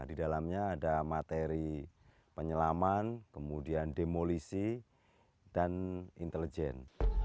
di dalamnya ada materi penyelaman kemudian demolisi dan intelijen